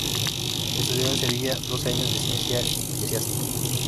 Estudió en Sevilla doce años de ciencias eclesiásticas.